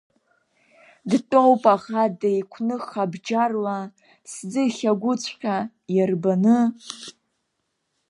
Дтәоуп аӷа деиқәных абџьарла, сӡыхь агәыҵәҟьа иарбаны.